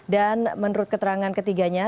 dan menurut keterangan ketiganya